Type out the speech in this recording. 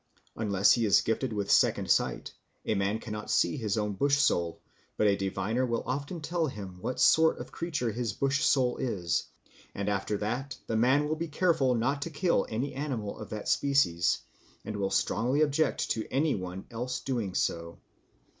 Unless he is gifted with second sight, a man cannot see his own bush soul, but a diviner will often tell him what sort of creature his bush soul is, and after that the man will be careful not to kill any animal of that species, and will strongly object to any one else doing so.